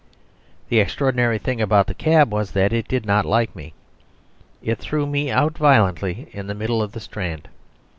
The extraordinary thing about the cab was that it did not like me; it threw me out violently in the middle of the Strand.